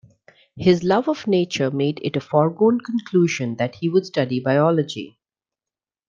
His love of nature made it a foregone conclusion that he would study biology